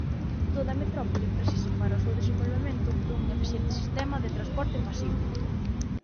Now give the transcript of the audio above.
Toda metrópole precisa para o seu desenvolvemento dun eficiente sistema de transporte masivo.